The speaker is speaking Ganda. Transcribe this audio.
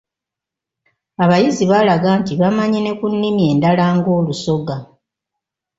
Abayizi baalaga nti bamanyi ne ku nnimi endala nga Olusoga.